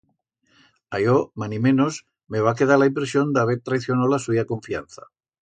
A yo, manimenos, me va quedar la impresión d'haber traicionau la suya confianza.